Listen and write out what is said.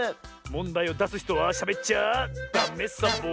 もんだいをだすひとはしゃべっちゃダメサボ。